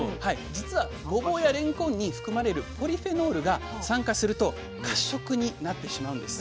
実はごぼうやれんこんに含まれるポリフェノールが酸化すると褐色になってしまうんです。